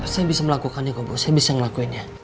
saya bisa melakukannya gopo saya bisa melakukannya